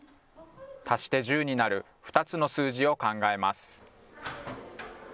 足して１０になる、２つの数字を考えます。